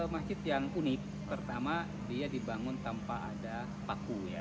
masjid yang unik pertama dia dibangun tanpa ada paku ya